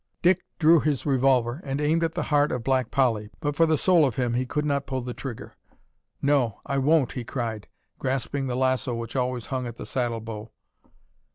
Dick drew his revolver, and aimed at the heart of Black Polly, but for the soul of him he could not pull the trigger. "No I won't!" he cried, grasping the lasso which always hung at the saddle bow.